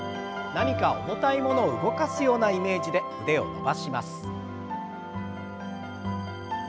何か重たいものを動かすようなイメージで腕を伸ばします。